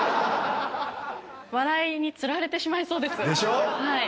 笑いにつられてしまいそうででしょう？